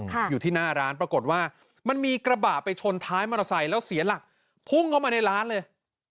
อยู่ที่หน้าร้านปรากฏว่ามันมีกระบะไปชนท้ายมอเตอร์ไซค์แล้วเสียหลักพุ่งเข้ามาในร้านเลย